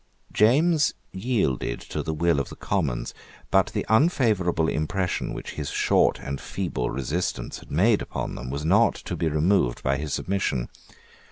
James yielded to the will of the Commons; but the unfavourable impression which his short and feeble resistance had made upon them was not to be removed by his submission.